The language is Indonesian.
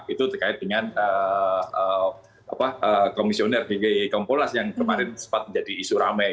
itu terkait dengan komisioner bg kompolnas yang kemarin sempat menjadi isu ramai